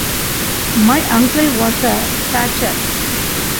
My uncle was a thatcher.